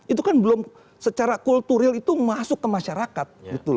itu kan belum secara kultural itu masuk ke masyarakat